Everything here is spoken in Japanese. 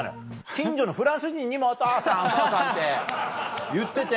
近所のフランス人にも「お父さんお父さん」って言ってて。